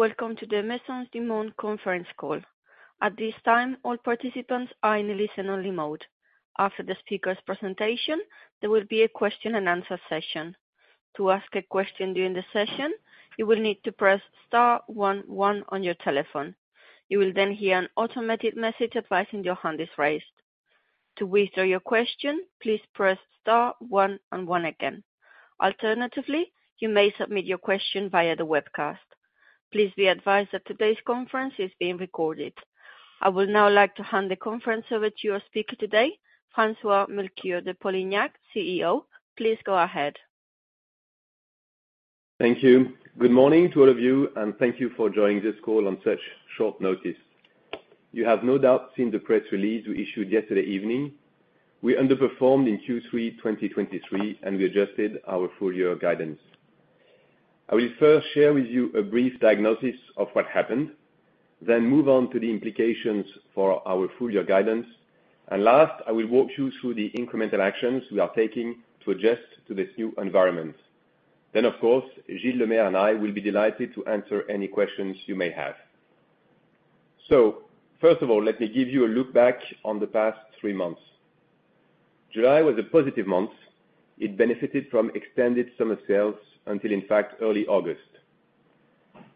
Welcome to the Maisons du Monde conference call. At this time, all participants are in a listen-only mode. After the speaker's presentation, there will be a question and answer session. To ask a question during the session, you will need to press star one, one on your telephone. You will then hear an automated message advising your hand is raised. To withdraw your question, please press star one and one again. Alternatively, you may submit your question via the webcast. Please be advised that today's conference is being recorded. I would now like to hand the conference over to your speaker today, François-Melchior de Polignac, CEO. Please go ahead. Thank you. Good morning to all of you, and thank you for joining this call on such short notice. You have no doubt seen the press release we issued yesterday evening. We underperformed in Q3 2023, and we adjusted our full year guidance. I will first share with you a brief diagnosis of what happened, then move on to the implications for our full year guidance, and last, I will walk you through the incremental actions we are taking to adjust to this new environment. Then, of course, Gilles Lemaire and I will be delighted to answer any questions you may have. So, first of all, let me give you a look back on the past three months. July was a positive month. It benefited from extended summer sales until, in fact, early August.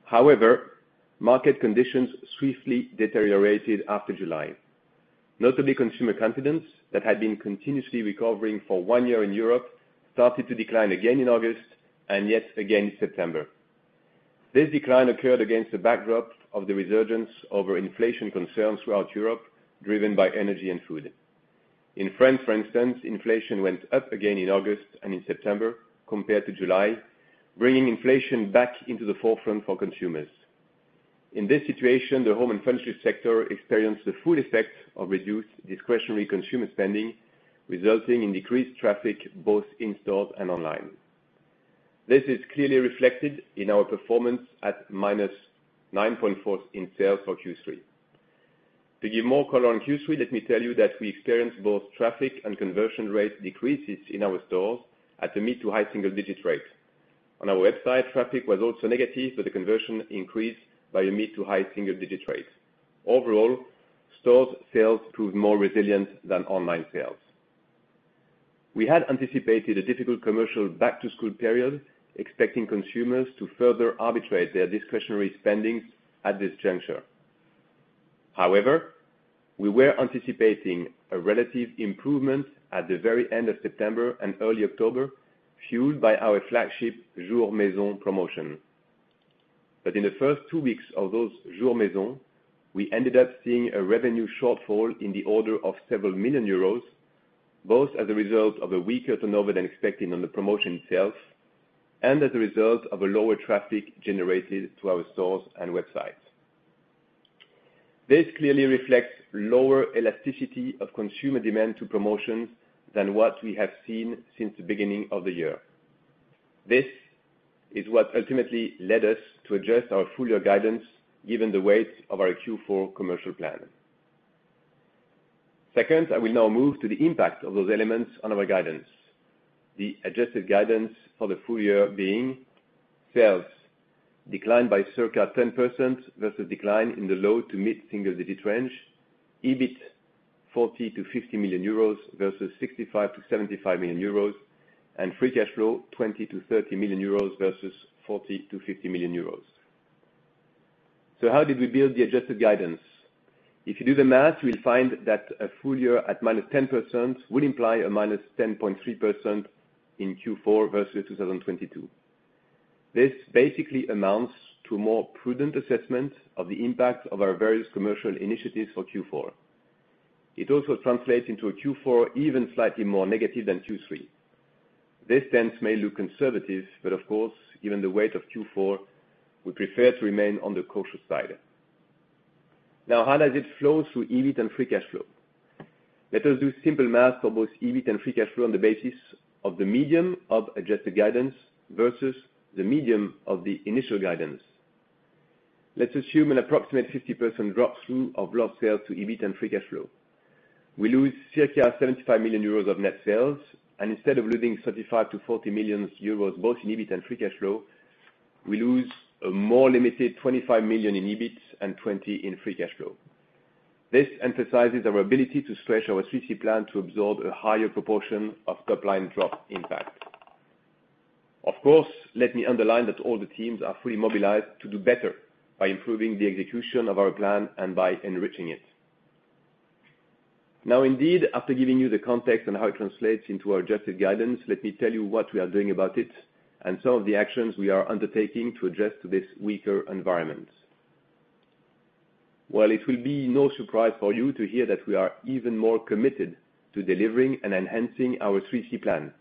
However, market conditions swiftly deteriorated after July. Notably, consumer confidence, that had been continuously recovering for one year in Europe, started to decline again in August and yet again in September. This decline occurred against the backdrop of the resurgence over inflation concerns throughout Europe, driven by energy and food. In France, for instance, inflation went up again in August and in September compared to July, bringing inflation back into the forefront for consumers. In this situation, the home and furniture sector experienced the full effect of reduced discretionary consumer spending, resulting in decreased traffic, both in-store and online. This is clearly reflected in our performance at -9.4 in sales for Q3. To give more color on Q3, let me tell you that we experienced both traffic and conversion rate decreases in our stores at a mid to high single digit rate. On our website, traffic was also negative, but the conversion increased by a mid to high single digit rate. Overall, stores sales proved more resilient than online sales. We had anticipated a difficult commercial back to school period, expecting consumers to further arbitrate their discretionary spendings at this juncture. However, we were anticipating a relative improvement at the very end of September and early October, fueled by our flagship Jours Maisons promotion. But in the first two weeks of those Jours Maisons, we ended up seeing a revenue shortfall in the order of EUR several million, both as a result of a weaker turnover than expected on the promotion itself and as a result of a lower traffic generated to our stores and websites. This clearly reflects lower elasticity of consumer demand to promotions than what we have seen since the beginning of the year. This is what ultimately led us to adjust our full year guidance, given the weight of our Q4 commercial plan. I will now move to the impact of those elements on our guidance. The adjusted guidance for the full year being, sales declined by circa 10% versus decline in the low to mid-single digit range. EBIT, 40 million-50 million euros versus 65 million-75 million euros, and free cash flow, 20 million-30 million euros versus 40 million-50 million euros. How did we build the adjusted guidance? If you do the math, you will find that a full year at -10% would imply a -10.3% in Q4 versus 2022. This basically amounts to a more prudent assessment of the impact of our various commercial initiatives for Q4. It also translates into a Q4, even slightly more negative than Q3. This stance may look conservative, but of course, given the weight of Q4, we prefer to remain on the cautious side. Now, how does it flow through EBIT and free cash flow? Let us do simple math for both EBIT and free cash flow on the basis of the medium of adjusted guidance versus the medium of the initial guidance. Let's assume an approximate 50% drop-through of lost sales to EBIT and free cash flow. We lose circa 75 million euros of net sales, and instead of losing 35 million-40 million euros, both in EBIT and free cash flow, we lose a more limited 25 million in EBIT and 20 million in free cash flow. This emphasizes our ability to stretch our 3C plan to absorb a higher proportion of top-line drop impact. Of course, let me underline that all the teams are fully mobilized to do better by improving the execution of our plan and by enriching it. Now, indeed, after giving you the context on how it translates into our adjusted guidance, let me tell you what we are doing about it and some of the actions we are undertaking to address this weaker environment. Well, it will be no surprise for you to hear that we are even more committed to delivering and enhancing our 3C plan.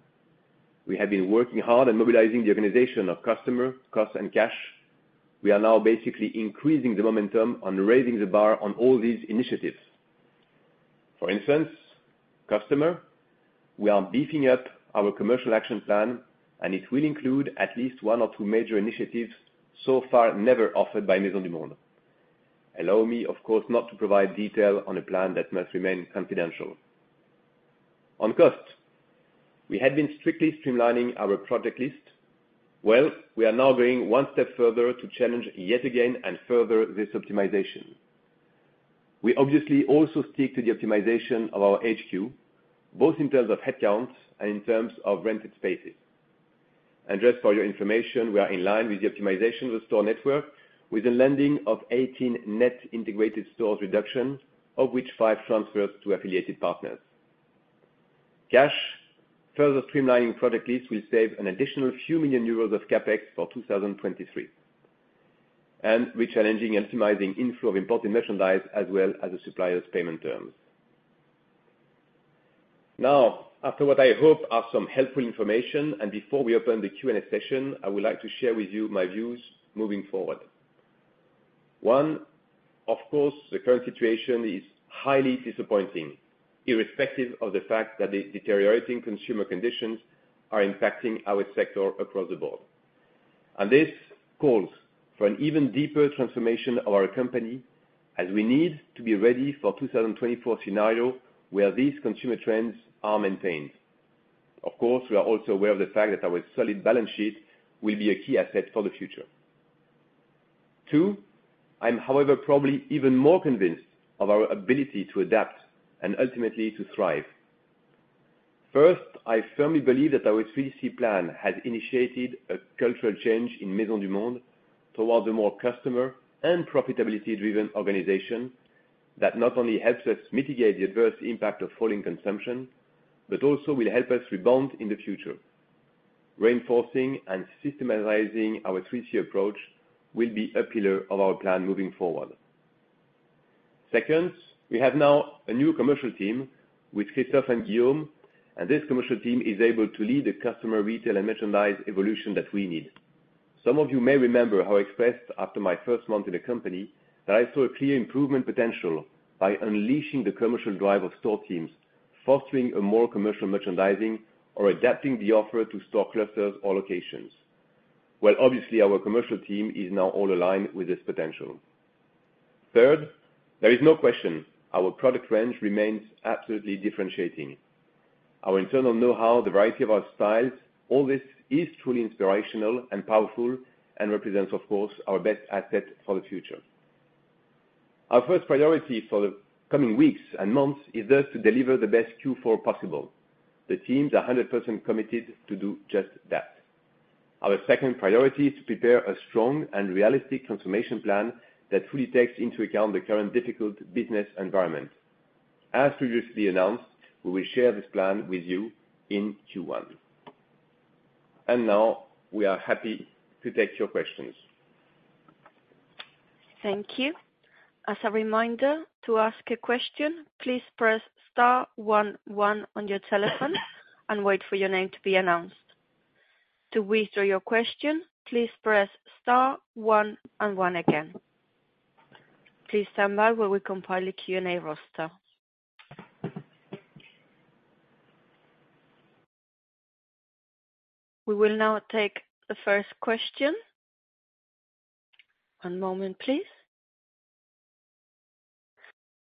We have been working hard on mobilizing the organization of customer, cost and cash. We are now basically increasing the momentum on raising the bar on all these initiatives. For instance, customer, we are beefing up our commercial action plan, and it will include at least one or two major initiatives so far never offered by Maisons du Monde. Allow me, of course, not to provide detail on a plan that must remain confidential. On cost, we had been strictly streamlining our project list. Well, we are now going one step further to challenge yet again and further this optimization. We obviously also stick to the optimization of our HQ, both in terms of headcount and in terms of rented spaces. And just for your information, we are in line with the optimization of the store network, with a netting of 18 net integrated stores reduction, of which five transfers to affiliated partners. Cash, further streamlining product list will save an additional few million EUR of CapEx for 2023, and we're challenging and optimizing inflow of imported merchandise as well as the suppliers' payment terms. Now, after what I hope are some helpful information, and before we open the Q&A session, I would like to share with you my views moving forward. One, of course, the current situation is highly disappointing, irrespective of the fact that the deteriorating consumer conditions are impacting our sector across the board. This calls for an even deeper transformation of our company as we need to be ready for 2024 scenario, where these consumer trends are maintained. Of course, we are also aware of the fact that our solid balance sheet will be a key asset for the future. Two, I'm however, probably even more convinced of our ability to adapt and ultimately to thrive. First, I firmly believe that our three C plan has initiated a cultural change in Maisons du Monde towards a more customer and profitability driven organization that not only helps us mitigate the adverse impact of falling consumption, but also will help us rebound in the future. Reinforcing and systematizing our three C approach will be a pillar of our plan moving forward. Second, we have now a new commercial team with Christophe and Guillaume, and this commercial team is able to lead the customer, retail and merchandise evolution that we need. Some of you may remember how I expressed after my first month in the company, that I saw a clear improvement potential by unleashing the commercial drive of store teams, fostering a more commercial merchandising or adapting the offer to store clusters or locations. Well, obviously, our commercial team is now all aligned with this potential. Third, there is no question our product range remains absolutely differentiating. Our internal know-how, the variety of our styles, all this is truly inspirational and powerful and represents, of course, our best asset for the future. Our first priority for the coming weeks and months is thus to deliver the best Q4 possible. The teams are 100% committed to do just that. Our second priority is to prepare a strong and realistic transformation plan that fully takes into account the current difficult business environment. As previously announced, we will share this plan with you in Q1. Now we are happy to take your questions. Thank you. As a reminder, to ask a question, please press star one one on your telephone and wait for your name to be announced. To withdraw your question, please press star one and one again. Please stand by while we compile a Q&A roster. We will now take the first question. One moment, please.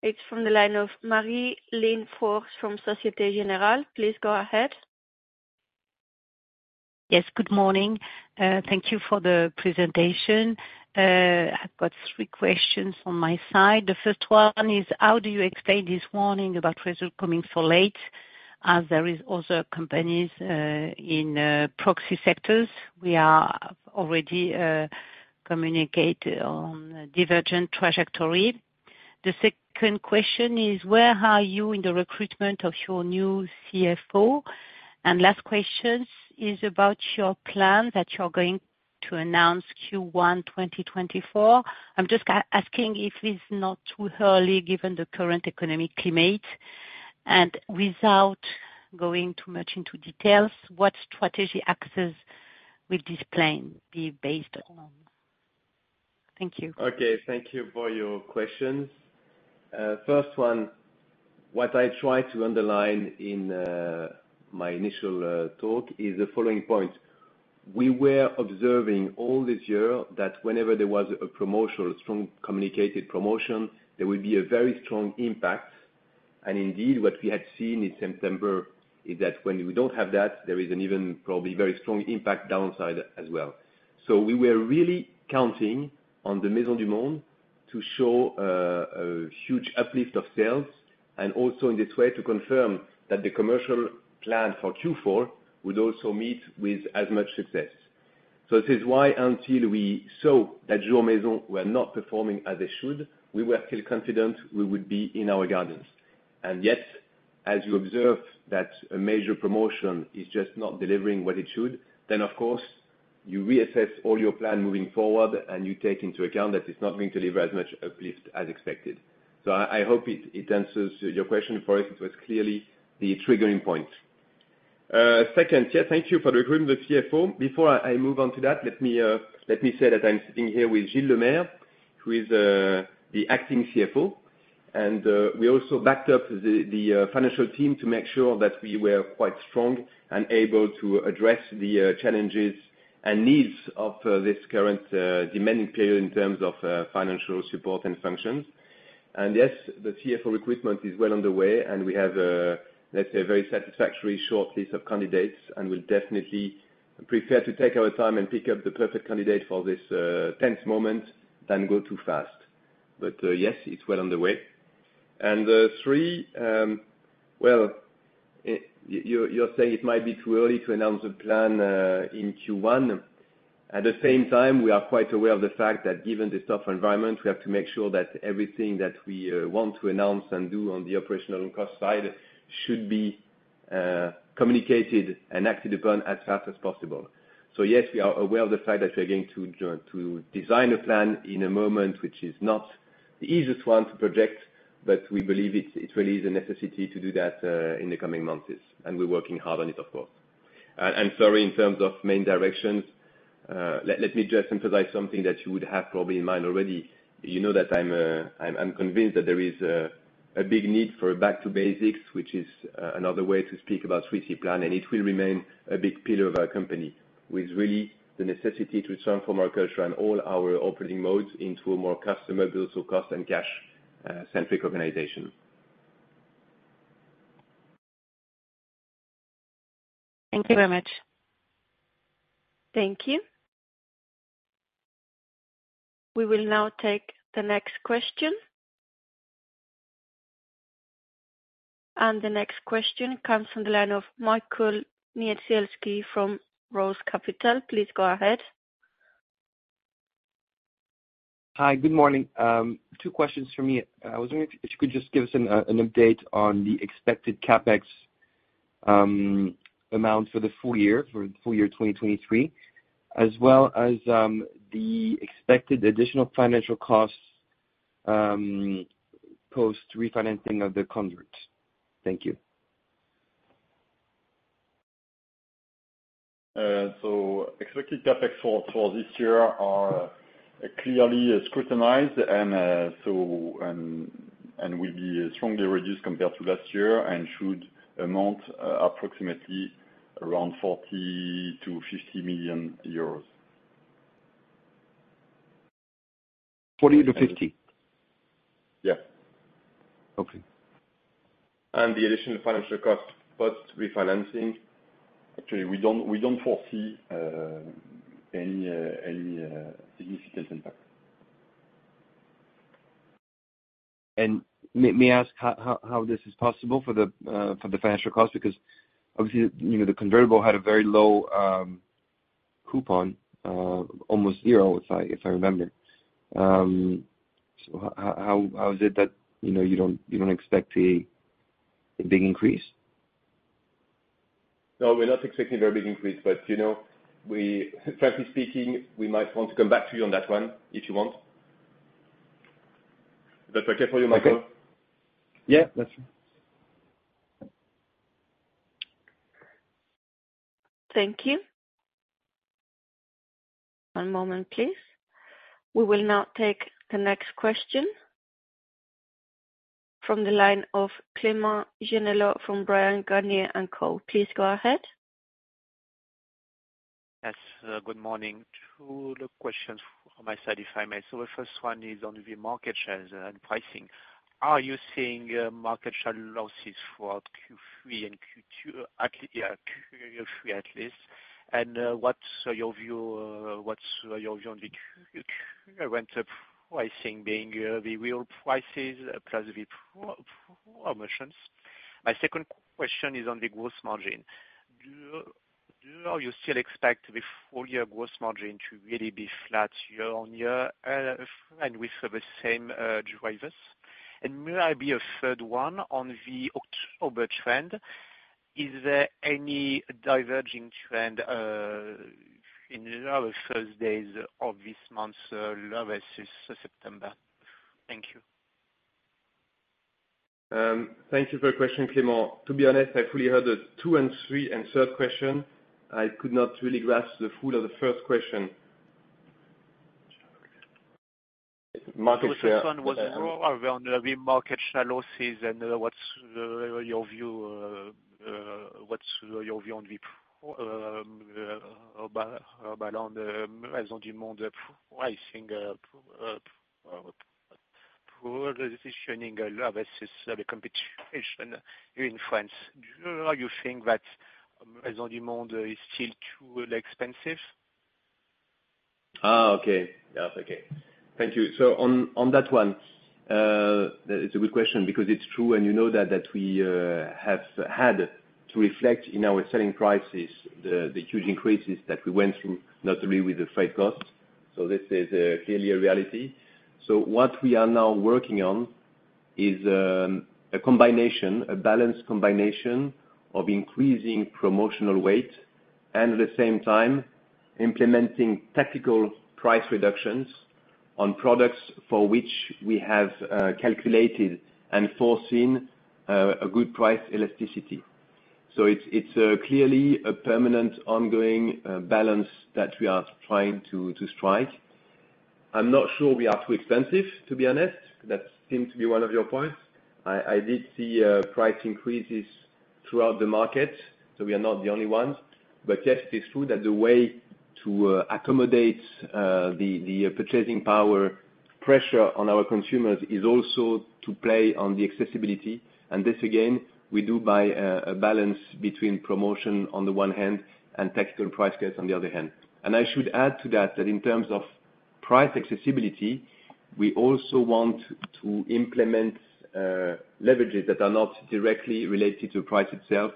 It's from the line of Marie-Line Fort from Société Générale. Please go ahead. Yes, good morning. Thank you for the presentation. I've got three questions on my side. The first one is: How do you explain this warning about result coming so late, as there is other companies in proxy sectors we are already communicate on divergent trajectory? The second question is: Where are you in the recruitment of your new CFO? And last question is about your plan that you're going to announce Q1 2024. I'm just asking if it's not too early, given the current economic climate, and without going too much into details, what strategy axis will this plan be based on? Thank you. Okay, thank you for your questions. First one, what I tried to underline in my initial talk is the following point: We were observing all this year that whenever there was a promotional, strong communicated promotion, there would be a very strong impact. And indeed, what we had seen in September is that when we don't have that, there is an even probably very strong impact downside as well. So we were really counting on the Maisons du Monde to show a huge uplift of sales, and also in this way to confirm that the commercial plan for Q4 would also meet with as much success. So this is why, until we saw that Jours Maisons were not performing as they should, we were still confident we would be in our guidance. And yet, as you observe, that a major promotion is just not delivering what it should, then of course, you reassess all your plan moving forward and you take into account that it's not going to deliver as much uplift as expected. So I hope it answers your question, for us, it was clearly the triggering point. Second, yeah, thank you for recruiting the CFO. Before I move on to that, let me, let me say that I'm sitting here with Gilles Lemaire, who is the acting CFO. And, we also backed up the financial team to make sure that we were quite strong and able to address the challenges and needs of this current, demanding period in terms of financial support and functions. And yes, the CFO recruitment is well underway, and we have, let's say, a very satisfactory short list of candidates, and we'll definitely prefer to take our time and pick up the perfect candidate for this tense moment than go too fast. But yes, it's well underway. Well, you're saying it might be too early to announce a plan in Q1. At the same time, we are quite aware of the fact that given this tough environment, we have to make sure that everything that we want to announce and do on the operational cost side should be communicated and acted upon as fast as possible. So yes, we are aware of the fact that we are going to design a plan in a moment, which is not the easiest one to project, but we believe it, it really is a necessity to do that in the coming months, and we're working hard on it, of course. Sorry, in terms of main directions, let me just emphasize something that you would have probably in mind already. You know, that I'm convinced that there is a big need for a back to basics, which is another way to speak about 3C plan, and it will remain a big pillar of our company, with really the necessity to transform our culture and all our operating modes into a more customer, cost and cash centric organization. Thank you very much. Thank you. We will now take the next question. The next question comes from the line of Michael Niemczycki from Rose Capital. Please go ahead. Hi, good morning. Two questions for me. I was wondering if you could just give us an update on the expected CapEx amount for the full year, for the full year 2023, as well as the expected additional financial costs post-refinancing of the convert. Thank you. Expected CapEx for this year are clearly scrutinized and will be strongly reduced compared to last year and should amount approximately around EUR 40 million-EUR 50 million. 40 to 50? Yeah. Okay. The additional financial cost, post refinancing, actually, we don't foresee any significant impact. May I ask how this is possible for the financial cost? Because obviously, you know, the convertible had a very low coupon, almost zero, if I remember. So how is it that, you know, you don't expect a big increase? No, we're not expecting a very big increase, but, you know, we, frankly speaking, we might want to come back to you on that one, if you want. Is that okay for you, Michael? Yeah, that's fine. Thank you. One moment, please. We will now take the next question from the line of Clément Genelot from Bryan, Garnier & Co. Please go ahead. Yes, good morning. Two little questions on my side, if I may. So the first one is on the market shares and pricing. Are you seeing market share losses for Q3 and Q2, yeah, Q3, at least? And, what's your view on pricing being the real prices plus the promotions? My second question is on the gross margin. Do you still expect the full year gross margin to really be flat year-over-year, and with the same drivers? And may I be a third one on the October trend, is there any diverging trend in the first days of this month versus September? Thank you. Thank you for your question, Clément. To be honest, I fully heard the two and three and third question. I could not really grasp the full of the first question. Market share, The first one was more around the market share losses, and, what's your view on the Maisons du Monde pricing positioning versus the competition in France? Do you think that Maisons du Monde is still too expensive? Ah, okay. Yeah. Okay. Thank you. So on that one, it's a good question because it's true, and you know that we have had to reflect in our selling prices the huge increases that we went through, not only with the freight costs, so this is clearly a reality. So what we are now working on is a combination, a balanced combination of increasing promotional weight, and at the same time, implementing tactical price reductions on products for which we have calculated and foreseen a good price elasticity. So it's clearly a permanent ongoing balance that we are trying to strike. I'm not sure we are too expensive, to be honest. That seemed to be one of your points. I did see price increases throughout the market, so we are not the only ones. But yes, it is true that the way to accommodate the purchasing power pressure on our consumers is also to play on the accessibility, and this, again, we do by a balance between promotion on the one hand and tactical price cuts on the other hand. And I should add to that, that in terms of price accessibility, we also want to implement leverages that are not directly related to price itself,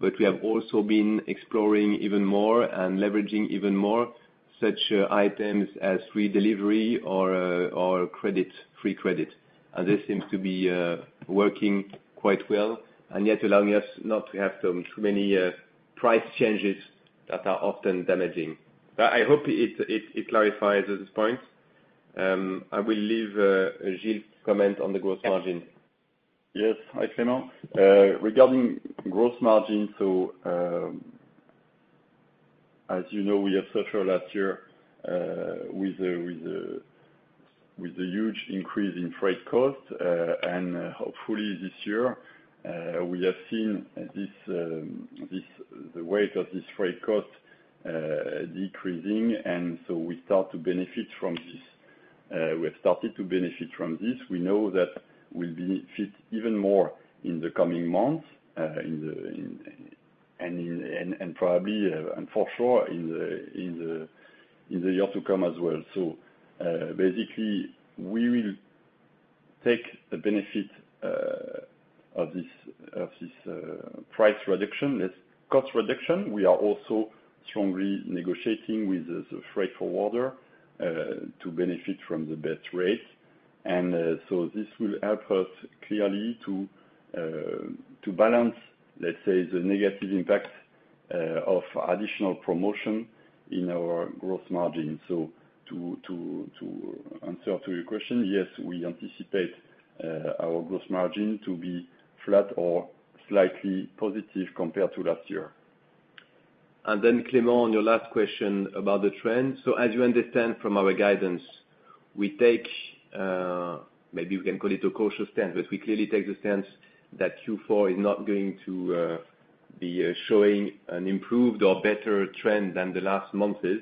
but we have also been exploring even more and leveraging even more such items as free delivery or or credit, free credit. And this seems to be working quite well, and yet allowing us not to have too many price changes that are often damaging. But I hope it clarifies at this point. I will leave Gilles to comment on the gross margin. Yes, hi, Clément. Regarding gross margin, so, as you know, we have suffered last year with a huge increase in freight costs. And hopefully this year, we have seen this, the weight of this freight cost decreasing, and so we start to benefit from this. We have started to benefit from this. We know that we'll benefit even more in the coming months, and probably, and for sure in the year to come as well. So, basically, we will take the benefit of this price reduction, this cost reduction. We are also strongly negotiating with the freight forwarder to benefit from the best rate. So this will help us clearly to balance, let's say, the negative impact of additional promotion in our gross margin. So to answer to your question, yes, we anticipate our gross margin to be flat or slightly positive compared to last year. And then, Clément, on your last question about the trend. So as you understand from our guidance, we take maybe a cautious stance, but we clearly take the stance that Q4 is not going to be showing an improved or better trend than the last months is.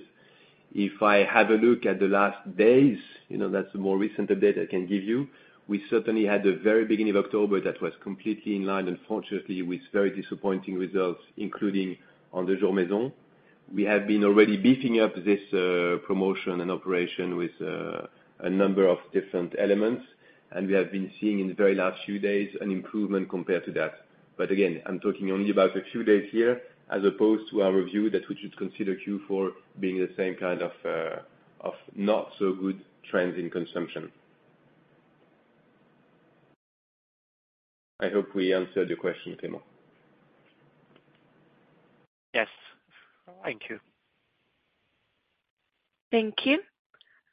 If I have a look at the last days, you know, that's the more recent data I can give you. We certainly had the very beginning of October that was completely in line, unfortunately, with very disappointing results, including on the Jours Maisons. We have been already beefing up this promotion and operation with a number of different elements, and we have been seeing in the very last few days an improvement compared to that. But again, I'm talking only about a few days here, as opposed to our view that we should consider Q4 being the same kind of not so good trends in consumption. I hope we answered your question, Clément. Yes. Thank you. Thank you.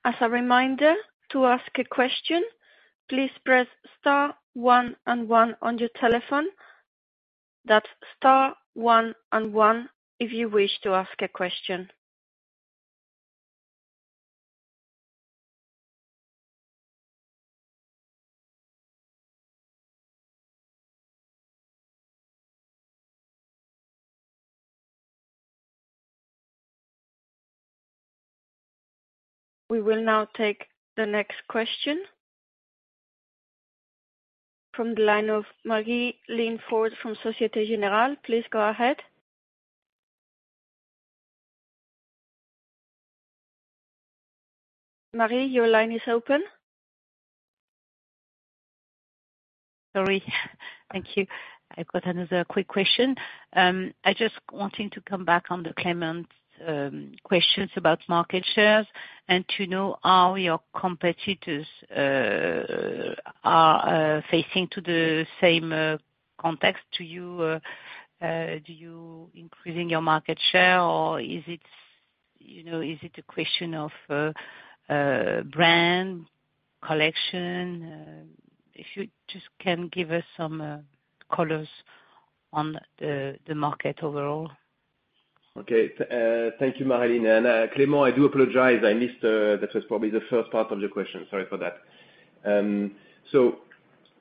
As a reminder, to ask a question, please press star one and one on your telephone. That's star one and one if you wish to ask a question. We will now take the next question from the line of Marie-Line Fort from Société Générale. Please, go ahead. Marie, your line is open. Sorry. Thank you. I've got another quick question. I just wanting to come back on the Clément questions about market shares and to know how your competitors are facing to the same context to you. Do you increasing your market share, or is it, you know, is it a question of brand, collection? If you just can give us some colors on the market overall. Okay. Thank you, Marie-Line Fort. And, Clément, I do apologize, I missed, that was probably the first part of your question. Sorry for that. So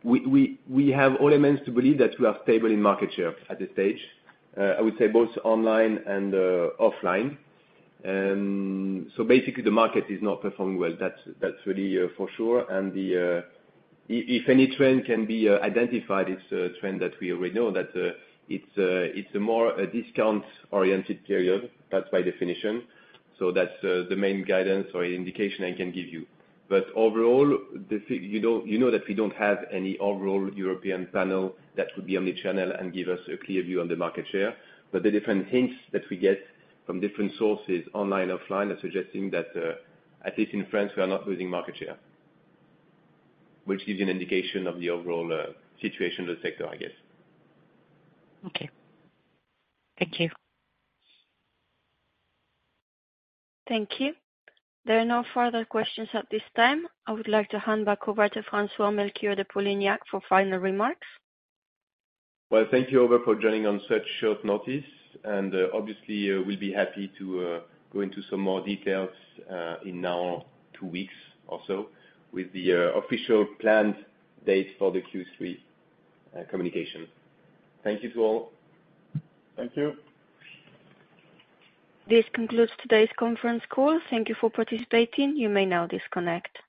we have all elements to believe that we are stable in market share at this stage. I would say both online and offline. So basically, the market is not performing well. That's really for sure. And the, if any trend can be identified, it's a trend that we already know, that it's a more discount-oriented period. That's by definition. So that's the main guidance or indication I can give you. But overall, you know that we don't have any overall European panel that would be omni-channel and give us a clear view on the market share. But the different hints that we get from different sources, online, offline, are suggesting that, at least in France, we are not losing market share, which is an indication of the overall, situation in the sector, I guess. Okay. Thank you. Thank you. There are no further questions at this time. I would like to hand back over to François-Melchior de Polignac for final remarks. Well, thank you all for joining on such short notice. Obviously, we'll be happy to go into some more details in now two weeks or so, with the official planned date for the Q3 communication. Thank you to all. Thank you. This concludes today's conference call. Thank you for participating. You may now disconnect.